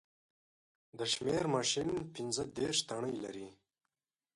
د شمېر ماشین پینځه دېرش تڼۍ لري